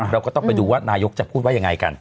เราก็ต้องไปดูว่านายกจะพูดว่ายังไงกัน